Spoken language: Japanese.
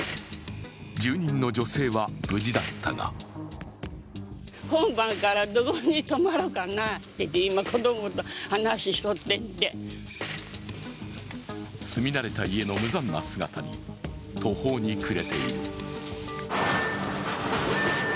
住人の女性は無事だったが住み慣れた家の無残な姿に途方に暮れている。